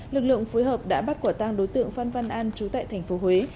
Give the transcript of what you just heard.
lực lượng phối hợp đã bắt quả tang đối tượng phan văn an trú tại tp huế